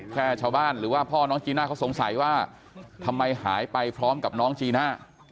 แค่ชาวบ้านหรือว่าพ่อน้องจีน่าเขาสงสัยว่าทำไมหายไปพร้อมกับน้องจีน่า